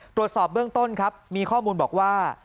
ตรวจสอบเบื้องต้นครับมีข้อมูลบอกว่า